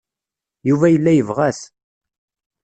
Yuba yella yebɣa-t.